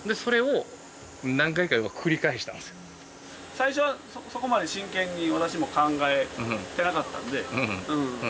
最初はそこまで真剣に私も考えてなかったんで。